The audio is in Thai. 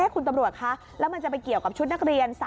คุณตำรวจคะแล้วมันจะไปเกี่ยวกับชุดนักเรียน